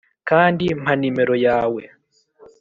kandi mpa nimero yawe